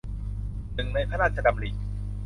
หนึ่งในพระราชดำริ